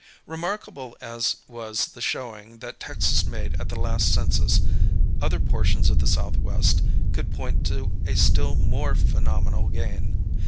Remarkable as was the showing that Texas made at the last census, other portions of the Southwest could point to a still more phenomenal gain.